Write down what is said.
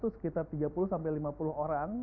sekitar tiga puluh sampai lima puluh orang